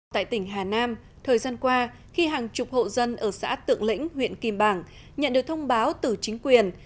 tại tỉnh hà nam thời gian qua khi hàng chục hộ dân ở xã tượng lĩnh huyện kim bảng nhận được thông báo từ chính quyền